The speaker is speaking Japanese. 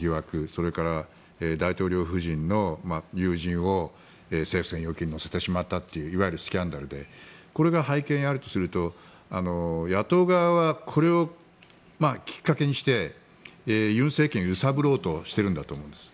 それから大統領夫人の友人を政府専用機に乗せてしまったといういわゆるスキャンダルでこれが背景にあるとすると野党側はこれをきっかけにして尹政権を揺さぶろうとしているんだと思います。